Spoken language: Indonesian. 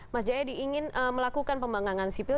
mas jaedi ingin melakukan pembangunan sipil